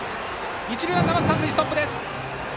一塁ランナーは三塁ストップ。